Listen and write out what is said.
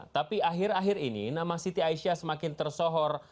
tapi akhir akhir ini nama siti aisyah semakin tersohor